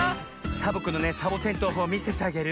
サボ子のねサボテンとうほうをみせてあげる。